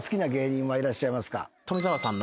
富澤さんの。